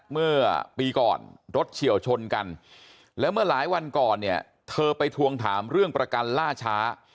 เมื่อปีก่อนรถเฉียวชนกันแล้วเมื่อหลายวันก่อนเนี่ยเธอไปทวงถามเรื่องประกันล่าช้า